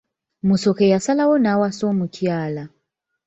Musoke yasalawo n'awasa omukyala.